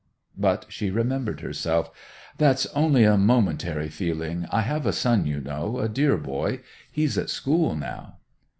But she remembered herself. 'That's only a momentary feeling. I have a son, you know, a dear boy. He's at school now.